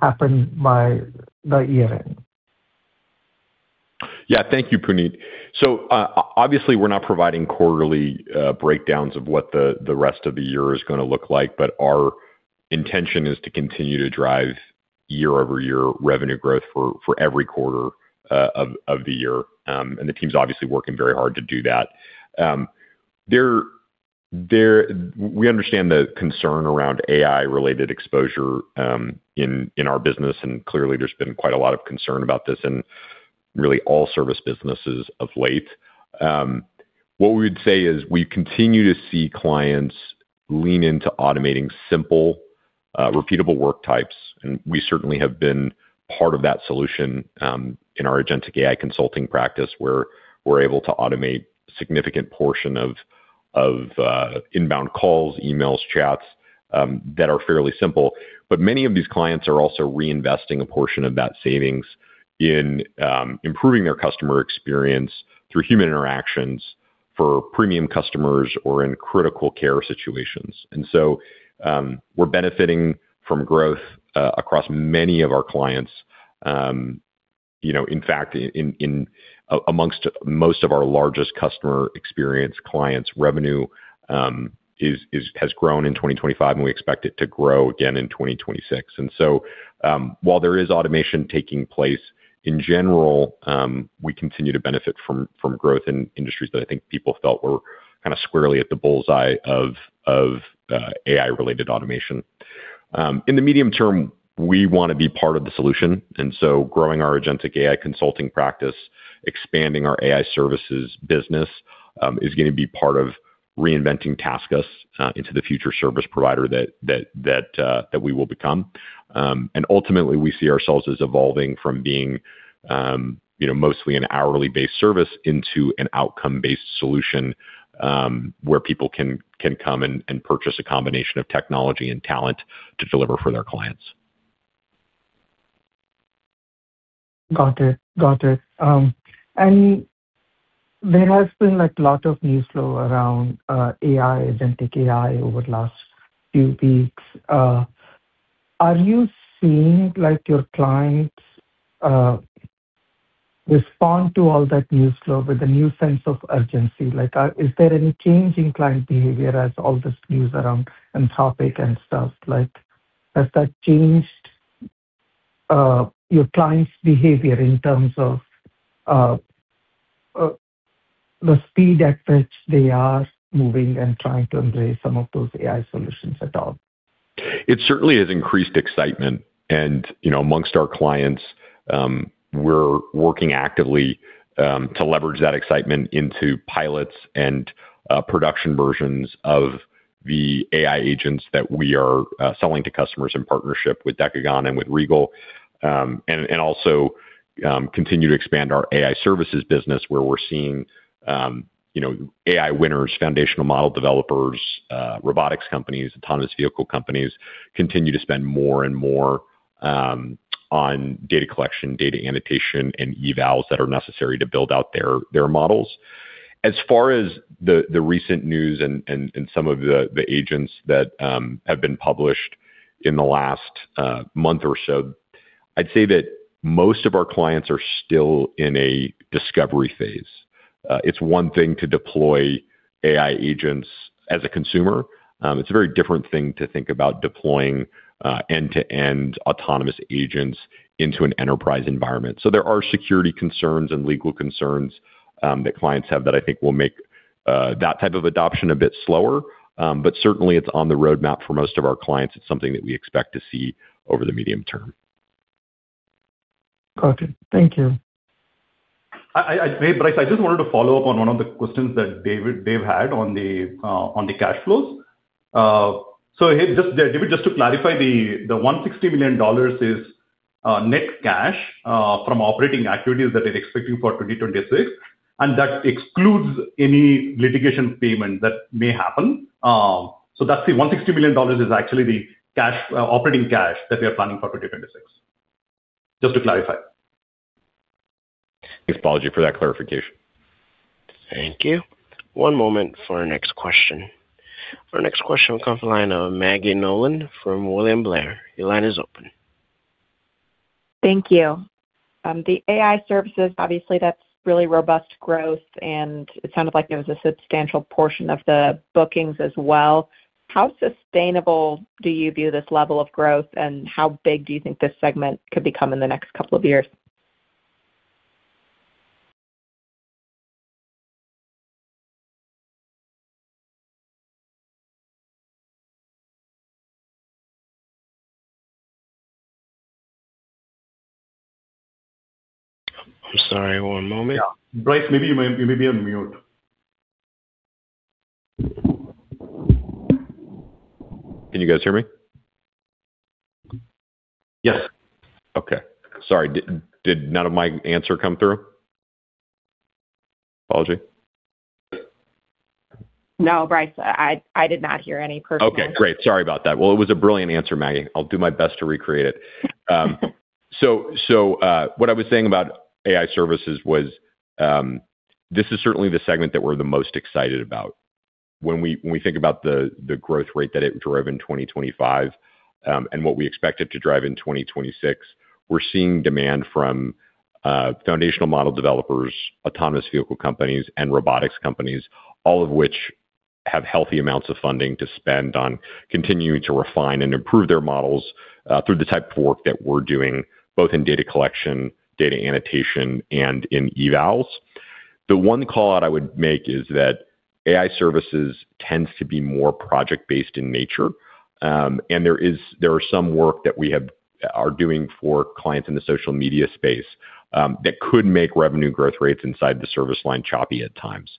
happen by the year end? Yeah. Thank you, Puneet. Obviously, we're not providing quarterly breakdowns of what the rest of the year is gonna look like, but our intention is to continue to drive year-over-year revenue growth for every quarter of the year. And the team's obviously working very hard to do that. We understand the concern around AI-related exposure in our business, and clearly there's been quite a lot of concern about this in really all service businesses of late. What we would say is we continue to see clients lean into automating simple, repeatable work types, and we certainly have been part of that solution in our agentic AI consulting practice, where we're able to automate significant portion of inbound calls, emails, chats, that are fairly simple. Many of these clients are also reinvesting a portion of that savings in improving their customer experience through human interactions for premium customers or in critical care situations. We're benefiting from growth across many of our clients. You know, in fact, in amongst most of our largest customer experience clients, revenue has grown in 2025, and we expect it to grow again in 2026. While there is automation taking place, in general, we continue to benefit from growth in industries that I think people felt were kind of squarely at the bull's eye of AI-related automation. In the medium term, we want to be part of the solution. Growing our agentic AI consulting practice, expanding our AI services business, is going to be part of reinventing TaskUs into the future service provider that we will become. Ultimately, we see ourselves as evolving from being, you know, mostly an hourly-based service into an outcome-based solution, where people can come and purchase a combination of technology and talent to deliver for their clients. Got it. Got it. There has been, like, lot of news flow around AI, agentic AI over the last few weeks. Are you seeing, like, your clients respond to all that news flow with a new sense of urgency? Like, is there any change in client behavior as all this news around Anthropic and stuff, like, has that changed your clients' behavior in terms of the speed at which they are moving and trying to embrace some of those AI solutions at all? It certainly has increased excitement. You know, amongst our clients, we're working actively to leverage that excitement into pilots and production versions of the AI agents that we are selling to customers in partnership with Decagon and with Regal. Also, continue to expand our AI services business, where we're seeing, you know, AI winners, foundational model developers, robotics companies, autonomous vehicle companies, continue to spend more and more on data collection, data annotation, and evals that are necessary to build out their models. As far as the recent news and some of the agents that have been published in the last month or so, I'd say that most of our clients are still in a discovery phase. It's one thing to deploy AI agents as a consumer, it's a very different thing to think about deploying end-to-end autonomous agents into an enterprise environment. There are security concerns and legal concerns that clients have that I think will make that type of adoption a bit slower. Certainly, it's on the roadmap for most of our clients. It's something that we expect to see over the medium term. Got it. Thank you. I, Bryce, I just wanted to follow up on one of the questions that David had on the cash flows. just, David, just to clarify, the $160 million is net cash from operating activities that are expecting for 2026, and that excludes any litigation payment that may happen. that's the $160 million is actually the cash operating cash that we are planning for 2026. Just to clarify. Apology for that clarification. Thank you. One moment for our next question. Our next question will come from the line of Maggie Nolan from William Blair. Your line is open. Thank you. The AI services, obviously that's really robust growth, and it sounded like it was a substantial portion of the bookings as well. How sustainable do you view this level of growth, and how big do you think this segment could become in the next couple of years? I'm sorry, one moment. Yeah. Bryce, maybe you may be on mute. Can you guys hear me? Yes. Okay. Sorry, did none of my answer come through? Apology. No, Bryce, I did not hear any. Okay, great. Sorry about that. Well, it was a brilliant answer, Maggie. I'll do my best to recreate it. What I was saying about AI services was, this is certainly the segment that we're the most excited about. When we, when we think about the growth rate that it drove in 2025, and what we expect it to drive in 2026, we're seeing demand from foundational model developers, autonomous vehicle companies, and robotics companies, all of which have healthy amounts of funding to spend on continuing to refine and improve their models, through the type of work that we're doing, both in data collection, data annotation, and in evals. The one call-out I would make is that AI services tends to be more project-based in nature. There are some work that we have are doing for clients in the social media space that could make revenue growth rates inside the service line choppy at times.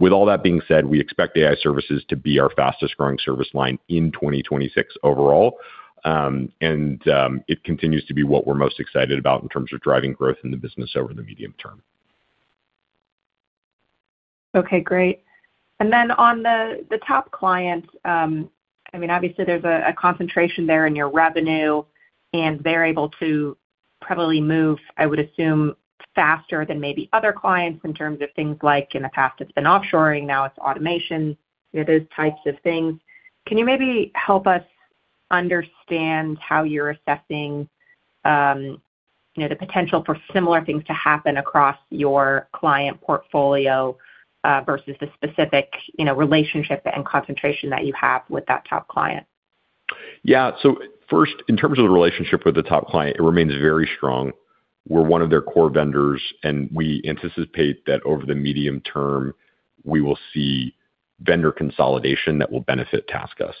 With all that being said, we expect AI services to be our fastest growing service line in 2026 overall. It continues to be what we're most excited about in terms of driving growth in the business over the medium term. Okay, great. Then on the top client, I mean, obviously there's a concentration there in your revenue, and they're able to probably move, I would assume, faster than maybe other clients in terms of things like in the past it's been offshoring, now it's automation, you know, those types of things. Can you maybe help us understand how you're assessing, you know, the potential for similar things to happen across your client portfolio, versus the specific, you know, relationship and concentration that you have with that top client? First, in terms of the relationship with the top client, it remains very strong. We're one of their core vendors, and we anticipate that over the medium term, we will see vendor consolidation that will benefit TaskUs.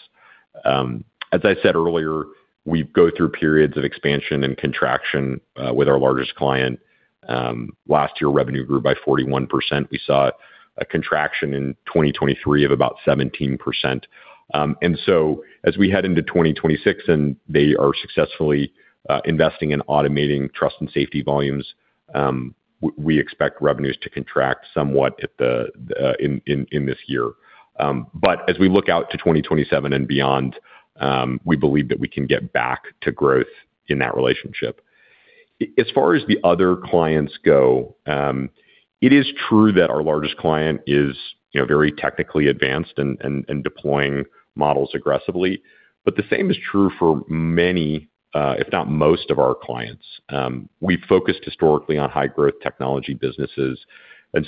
As I said earlier, we go through periods of expansion and contraction with our largest client. Last year, revenue grew by 41%. We saw a contraction in 2023 of about 17%. As we head into 2026, and they are successfully investing in automating trust and safety volumes, we expect revenues to contract somewhat in this year. As we look out to 2027 and beyond, we believe that we can get back to growth in that relationship. As far as the other clients go, it is true that our largest client is, you know, very technically advanced and deploying models aggressively, but the same is true for many, if not most of our clients. We've focused historically on high growth technology businesses.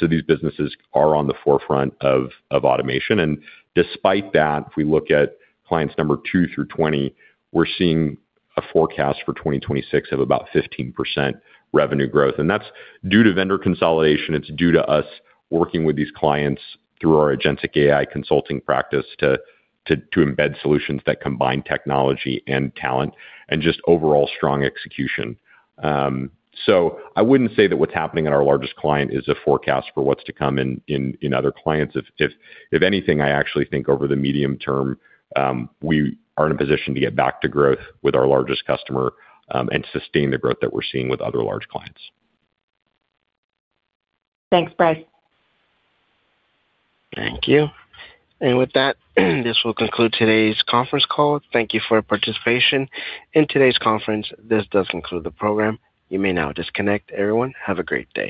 These businesses are on the forefront of automation. Despite that, if we look at clients number 2 through 20, we're seeing a forecast for 2026 of about 15% revenue growth, and that's due to vendor consolidation. It's due to us working with these clients through our agentic AI consulting practice to embed solutions that combine technology and talent and just overall strong execution. I wouldn't say that what's happening at our largest client is a forecast for what's to come in other clients. If anything, I actually think over the medium term, we are in a position to get back to growth with our largest customer, and sustain the growth that we're seeing with other large clients. Thanks, Bryce. Thank you. With that, this will conclude today's conference call. Thank you for your participation in today's conference. This does conclude the program. You may now disconnect. Everyone, have a great day.